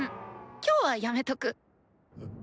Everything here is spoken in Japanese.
今日はやめとく。